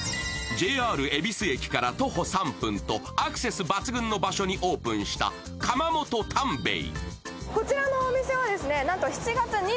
ＪＲ恵比寿駅から徒歩３分とアクセス抜群の場所にオープンした釜元たん米衛。